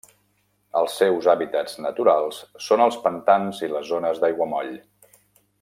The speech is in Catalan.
Els seus hàbitats naturals són els pantans i les zones d'aiguamoll.